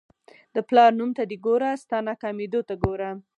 د پلار نوم ته دې ګوره ستا ناکامېدو ته ګوره.